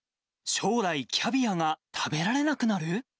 将来キャビアが食べられなくなる？